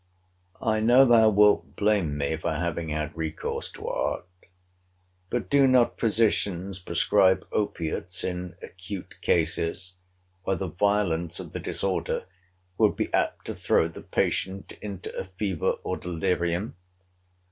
I know thou wilt blame me for having had recourse to art. But do not physicians prescribe opiates in acute cases, where the violence of the disorder would be apt to throw the patient into a fever or delirium?